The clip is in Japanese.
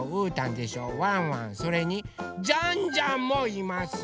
それにジャンジャンもいます！